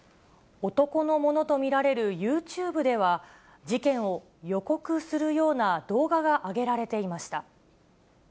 男のものと見られるユーチューブでは、事件を予告するような動画が上げられていました。